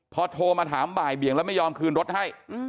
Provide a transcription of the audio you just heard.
พอโทรมาถามบ่ายเบี่ยงแล้วไม่ยอมคืนรถให้